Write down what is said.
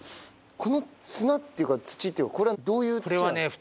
この砂っていうか土っていうかこれはどういう土なんですか？